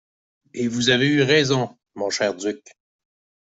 Et vous avez eu raison, mon cher duc.